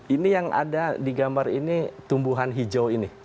ini yang ada di gambar ini tumbuhan hijau ini